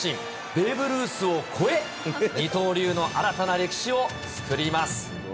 ベーブ・ルースを超え、二刀流の新たな歴史を作ります。